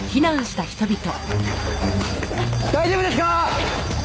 大丈夫ですか！